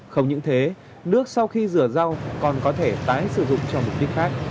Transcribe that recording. không những thế nước sau khi rửa rau còn có thể tái sử dụng cho mục đích khác